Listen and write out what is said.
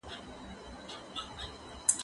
زه مخکي مړۍ خوړلي وه؟!